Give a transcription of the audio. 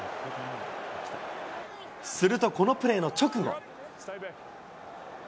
するとこのプレーの直後。